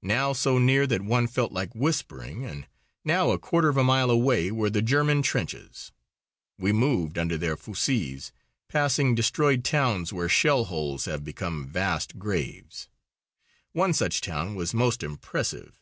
Now so near that one felt like whispering, and now a quarter of a mile away, were the German trenches. We moved under their fusées, passing destroyed towns where shell holes have become vast graves. One such town was most impressive.